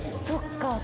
そっか。